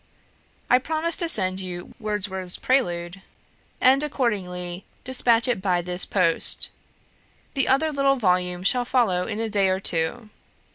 "I promised to send you Wordsworth's 'Prelude,' and, accordingly, despatch it by this post; the other little volume shall follow in a day or two.